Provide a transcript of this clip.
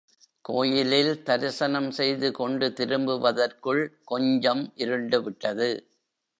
கோயிலில் தரிசனம் செய்து கொண்டு திரும்புவதற்குள் கொஞ்சம் இருண்டுவிட்டது.